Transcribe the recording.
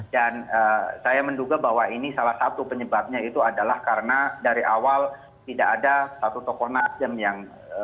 dan saya menduga bahwa ini salah satu penyebabnya itu adalah karena dari awal tidak ada satu tokoh nasdem yang